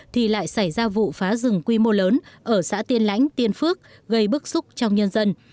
thì lại xảy ra vụ phá rừng quy mô lớn ở xã tiên lãnh tiên phước gây bức xúc trong nhân dân